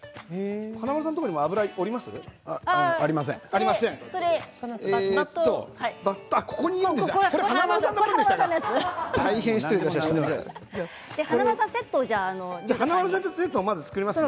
華丸さんのところにも油ありますか。